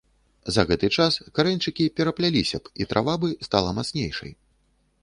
За гэты час карэньчыкі перапляліся б, і трава бы стала мацнейшай.